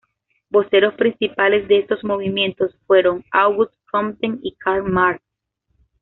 Voceros principales de estos movimientos fueron Auguste Comte y Karl Marx.